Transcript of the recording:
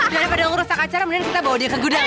daripada urusan acara kemudian kita bawa dia ke gudang